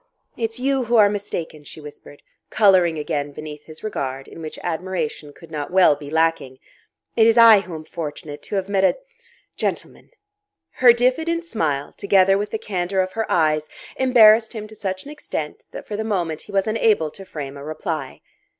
"It's you who are mistaken," she whispered, colouring again beneath his regard, in which admiration could not well be lacking, "It is I who am fortunate to have met a gentleman." Her diffident smile, together with the candour of her eyes, embarrassed him to such extent that for the moment he was unable to frame a reply.